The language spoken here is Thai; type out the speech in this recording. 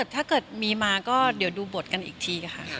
ถ้าเกิดมีมาก็เดี๋ยวดูบทกันอีกทีค่ะ